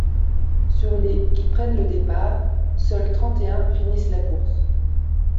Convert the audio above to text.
Sur les qui prennent le départ, seuls trente-et-un finissent la course.